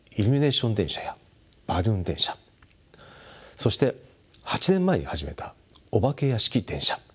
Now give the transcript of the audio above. そして８年前に始めたお化け屋敷電車。